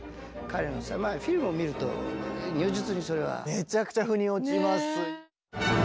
めちゃくちゃ腑に落ちます。